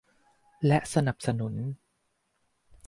และสนับสนุน